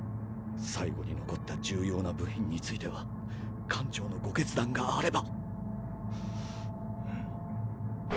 最後に残った重要な部品については艦長のご決断があれば。